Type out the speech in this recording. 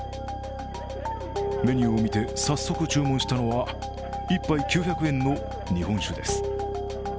メニューを見て、早速注文したのは１杯９００円の日本酒です。